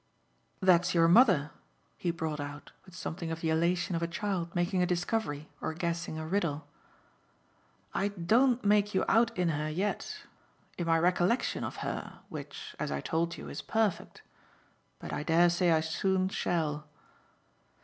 "That's your mother!" he brought out with something of the elation of a child making a discovery or guessing a riddle. "I don't make you out in her yet in my recollection of her, which, as I told you, is perfect; but I dare say I soon shall."